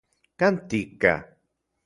¿Kan tika?